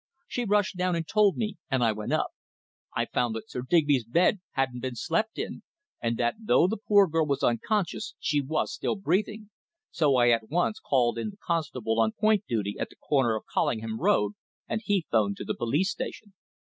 She rushed down and told me, and I went up. I found that Sir Digby's bed hadn't been slept in, and that though the poor girl was unconscious, she was still breathing. So I at once called in the constable on point duty at the corner of Collingham Road, and he 'phoned to the police station."